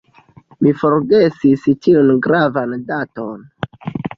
Mi forgesis tiun gravan daton.